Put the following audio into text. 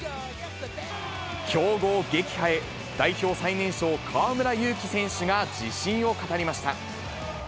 強豪撃破へ、代表最年少、河村勇輝選手が自信を語りました。